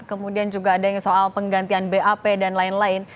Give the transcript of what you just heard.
kemudian juga ada yang soal penggantian bap dan lain lain